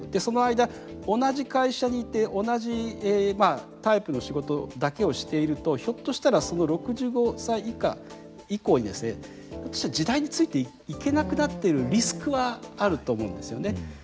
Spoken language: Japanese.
その間同じ会社にいて同じタイプの仕事だけをしているとひょっとしたら６５歳以降にですね時代についていけなくなってるリスクはあると思うんですよね。